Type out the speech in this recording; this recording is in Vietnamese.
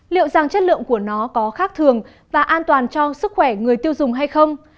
liệu rằng chất lượng của nó có khác thường và an toàn cho sức khỏe người tiêu dùng hay không